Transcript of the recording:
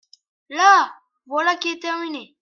Là ! voilà qui est terminé !…